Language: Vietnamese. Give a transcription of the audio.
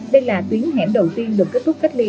đây là tuyến hẻm đầu tiên được kết thúc cách ly